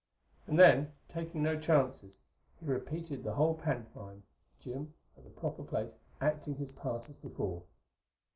And then, taking no chances, he repeated the whole pantomime, Jim, at the proper place, acting his part as before.